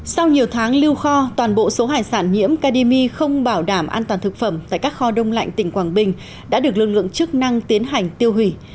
sau nhiều tháng lưu kho toàn bộ số hải sản nhiễm kdimi không bảo đảm an toàn thực phẩm tại các kho đông lạnh tỉnh quảng bình đã được lực lượng chức năng tiến hành tiêu hủy